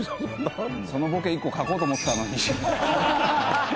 そのボケ１個書こうと思ってたのに。